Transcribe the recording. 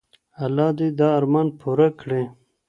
الله دې دا ارمان پوره کړي.